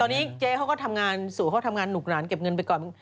ตอนนี้เจ๊เขาก็ทำงานสู่เขาทำงานหนุกหนานเก็บเงินไปก่อน